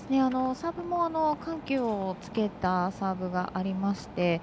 サーブも緩急をつけたサーブがありまして。